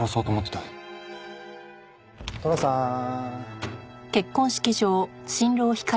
寅さーん。